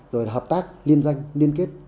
rồi hợp tác liên doanh liên kết